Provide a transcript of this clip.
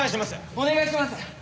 お願いします。